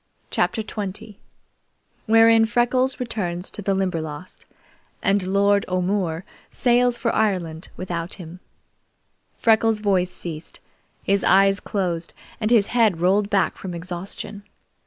CHAPTER XX Wherein Freckles returns to the Limberlost, and Lord O'More Sails for Ireland Without Him Freckles' voice ceased, his eyes closed, and his head rolled back from exhaustion.